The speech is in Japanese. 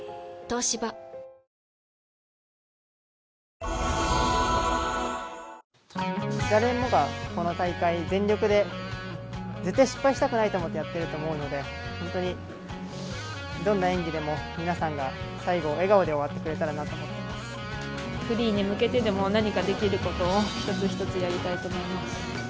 東芝誰もがこの大会全力で絶対失敗したくないと思ってやっていると思うのでどんな演技でも皆さんが最後笑顔で終わってくれたらなとフリーに向けてでも何かできることを一つ一つやりたいと思います。